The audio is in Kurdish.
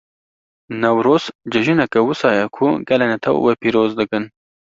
Newroz, cejineke wisa ye ku gelek netew wê pîroz dikin.